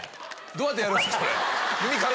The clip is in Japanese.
どうやってやるんすか？